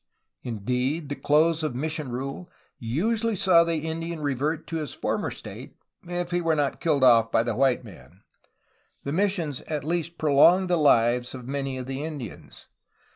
Indeed, the close of mission rule usually saw the Indian revert to his former state, if he were not killed off by the white man ; the mission at least prolonged the lives of many of the Indians.